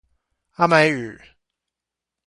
阿美語